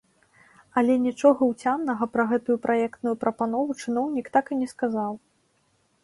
Але нічога ўцямнага пра гэтую праектную прапанову чыноўнік так і не сказаў.